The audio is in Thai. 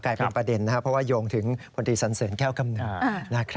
กลายเป็นประเด็นนะครับเพราะว่ายงถึงพนตรีสันเสริญแค่กำหนดนะครับ